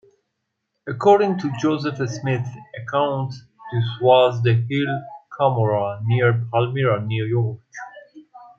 According to Joseph Smith's account, this was the Hill Cumorah, near Palmyra, New York.